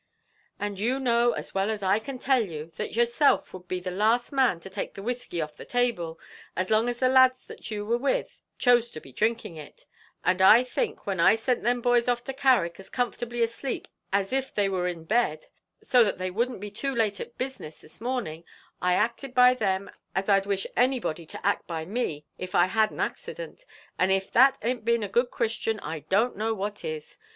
"And you know, as well as I can tell you, that yourself would be the last man to take the whiskey off the table, as long as the lads that were with you chose to be drinking it; and I think when I sent them boys off to Carrick as comfortably asleep as if they were in bed, so that they wouldn't be too late at business this morning, I acted by them as I'd wish anybody to act by me if I had an accident; and if that an't being a good Christian, I don't know what is.